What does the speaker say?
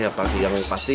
yang pasti yang murni